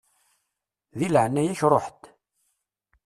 Di leɛnaya-k ṛuḥ-d.